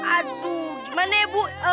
aduh gimana ya bu